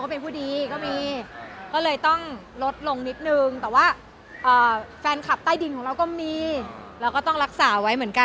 แค่พูดกูดีมึงในสังคมก็ยังพูดกุนอยู่นะ